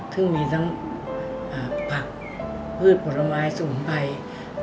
ซึ่งมีทั้งผักพืชผลไม้สมุนไพร